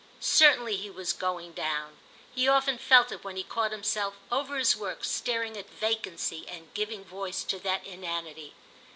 Certainly he was going down; he often felt it when he caught himself, over his work, staring at vacancy and giving voice to that inanity.